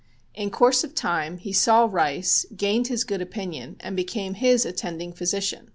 In course of time he saw Rice, gained his good opinion and became his attending physician.